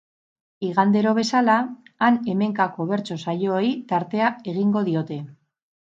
Igandero bezala, han-hemenkako bertso saioei tartea egingo diote.